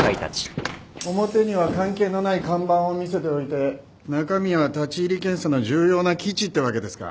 表には関係のない看板を見せておいて中身は立入検査の重要な基地ってわけですか。